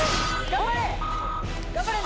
頑張れ。